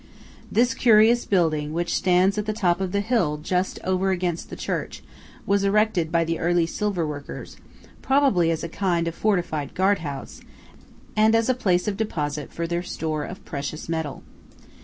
This curious building, which stands at the top of the hill just over against the church, was erected by the early silver workers, probably as a kind of fortified guard house, and as a place of deposit for their store of precious metal.